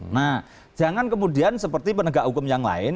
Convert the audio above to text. nah jangan kemudian seperti penegak hukum yang lain